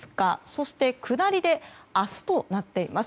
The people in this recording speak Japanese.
そして下りで明日となっています。